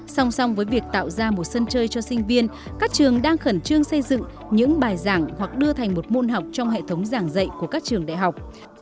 song song với việc tạo ra một sân chơi cho sinh viên các trường đang khẩn trương xây dựng những bài giảng hoặc đưa thành một môn học trong hệ thống giảng dạy của các trường đại học